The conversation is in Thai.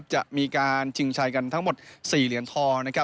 จะมีการชิงชัยกันทั้งหมด๔เหรียญทอง